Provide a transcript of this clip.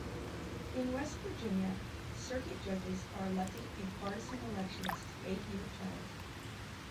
In West Virginia, circuit judges are elected in partisan elections to eight-year terms.